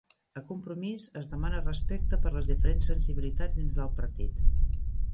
A Compromís es demana respecte per les diferents sensibilitats dins del partit